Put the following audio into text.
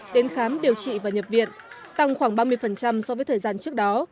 đến khám điều trị và nhập viện tăng khoảng ba mươi so với thời gian trước đó